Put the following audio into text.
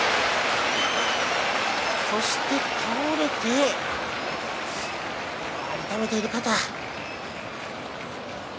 そして倒れて痛めている肩。